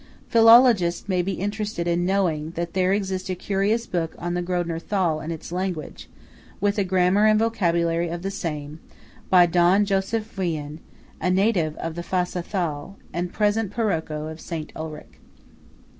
Philologists may be interested in knowing that there exists a curious book on the Grödner Thal and its language, with a grammar and vocabulary of the same, by Don Josef Wian, a native of the Fassa ThaI, and present Parocco of St. Ulrich.